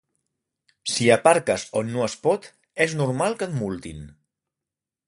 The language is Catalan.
Si aparques on no es pot, és normal que et multin